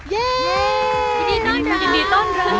ยินดีต้อนรับ